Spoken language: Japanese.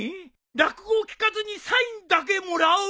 落語を聞かずにサインだけもらう？